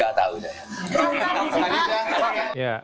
gak tahu dah ya